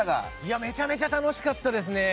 めちゃめちゃ楽しかったです。